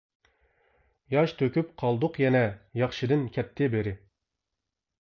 ياش تۆكۈپ قالدۇق يەنە، ياخشىدىن كەتتى بىرى.